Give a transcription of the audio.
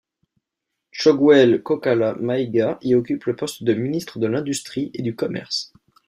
Choguel Kokalla Maïga y occupe le poste de ministre de l’Industrie et du Commerce.